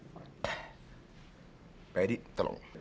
pak yadi tolong